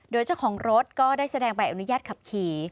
โดยเจ้าของรถก็ได้แสดงใบอนุญาตขับขี่